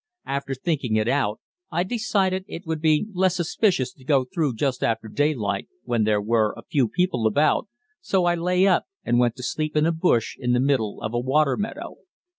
After thinking it out, I decided it would be less suspicious to go through just after daylight when there were a few people about, so I lay up and went to sleep in a bush in the middle of a water meadow.